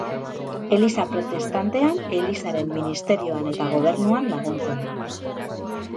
Eliza protestantean elizaren ministerioan eta gobernuan laguntzen du.